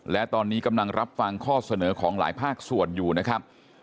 และตอนนี้กำลังรับฟังข้อเสนอของหลายภาคส่วนอยู่นะครับ